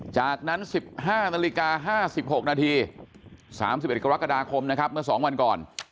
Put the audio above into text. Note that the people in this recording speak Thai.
จากนั้น๑๕นาฬิกา๕๖นาที๓๑กรกฎาคมนะครับเมื่อ๒วันก่อน